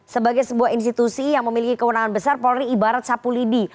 sebagai sebuah institusi yang memiliki kewenangan besar polri ibarat sapu lidi